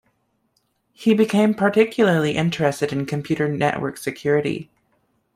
He became particularly interested in computer network security.